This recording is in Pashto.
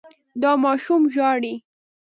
دا ماشوم ژاړي.